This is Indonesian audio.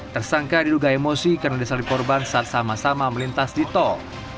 tersangka diduga emosi karena disali korban saat sama sama melintas di tol